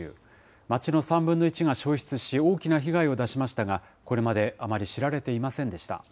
町の３分の１が焼失し、大きな被害を出しましたが、これまであまり知られていませんでした。